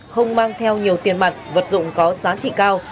không mang theo nhiều tiền mặt vật dụng có giá trị cao